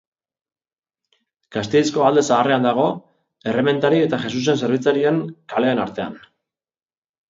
Gasteizko Alde Zaharrean dago, Errementari eta Jesusen Zerbitzarien kaleen artean.